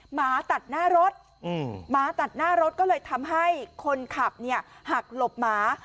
หมาตัดหน้ารถหมาตัดหน้ารถก็เลยทำให้คนขับเนี่ยหักหลบหมา